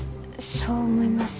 そう思います？